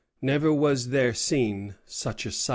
Never was there seen such a sight."